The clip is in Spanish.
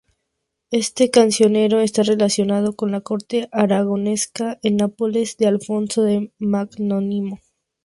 Este cancionero está relacionado con la corte aragonesa en Nápoles de Alfonso el Magnánimo.